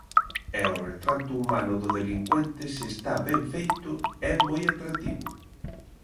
E o retrato humano do delincuente se está ben feito é moi atractivo.